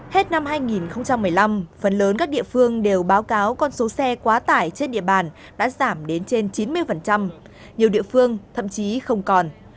hết năm hai nghìn một mươi năm phần lớn các địa phương đều báo cáo con số xe quá tải trên địa bàn đã giảm đến trên chín mươi nhiều địa phương thậm chí không còn